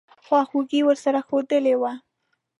خواخوږي ورسره ښودلې وه.